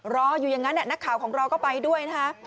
รออยู่อย่างนั้นนักข่าวของเราก็ไปด้วยนะคะ